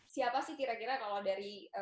siapa sih kira kira kalau dari